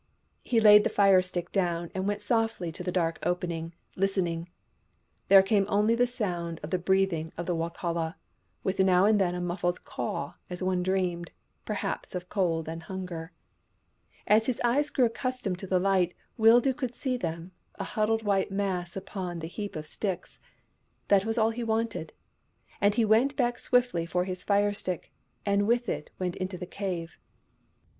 He laid the fire stick down and went softly to the dark opening, listening. There came only the sound of the breathing of the Wokala, with now and then a muffled caw as one dreamed, perhaps, of cold and hunger. As his eyes grew accustomed to the light, Wildoo could see them — a huddled white mass upon the heap of sticks. That was all he wanted, and he went back swiftly for his fire stick, and with it went into the cave.